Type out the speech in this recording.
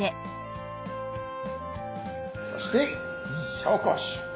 そして紹興酒！